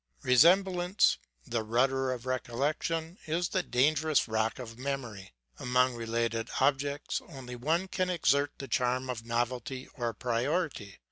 Resemblance, the rudder of recollection, is the danger ous rock of memory. Among related objects, only one can exert the charm of novelty or priority.